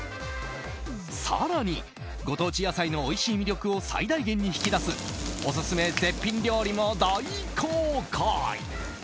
更に、ご当地野菜のおいしい魅力を最大限に引き出すオススメ絶品料理も大公開！